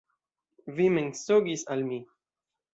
Vi mensogis al mi.